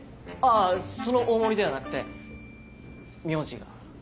あその「大盛り」ではなくて名字が。